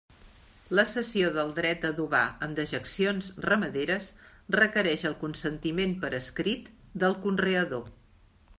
La cessió del dret a adobar amb dejeccions ramaderes requereix el consentiment per escrit del conreador.